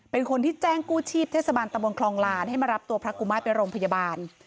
เป็นคนที่แจ้งกู้ชีพเทศบาลตะบนคลองลานให้มารับตัวพระกุมาตรไปโรงพยาบาล